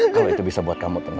kalau itu bisa buat kamu tenang